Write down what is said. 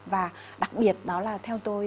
và đặc biệt đó là theo tôi